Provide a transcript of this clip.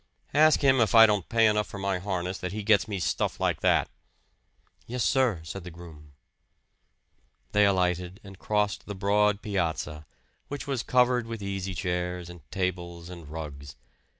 "Ask him if I don't pay enough for my harness that he gets me stuff like that." "Yes, sir," said the groom. They alighted and crossed the broad piazza, which was covered with easy chairs and tables and rugs.